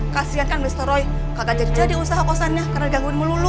kasian kan mr roy kagak jadi jadi usaha kosannya karena digangguin melulu